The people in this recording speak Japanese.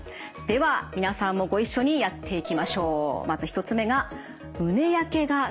では皆さんもご一緒にやっていきましょう。